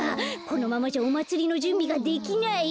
このままじゃおまつりのじゅんびができない。